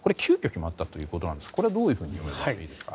急きょ決まったということですがこれはどういうふうに読み解けばいいですか？